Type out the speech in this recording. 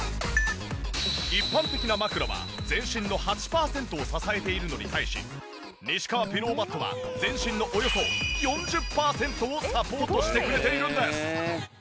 一般的な枕は全身の８パーセントを支えているのに対し西川ピローマットは全身のおよそ４０パーセントをサポートしてくれているんです。